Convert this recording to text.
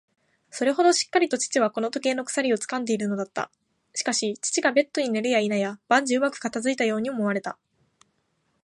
それほどしっかりと父はこの時計の鎖をつかんでいるのだった。しかし、父がベッドに寝るやいなや、万事うまく片づいたように思われた。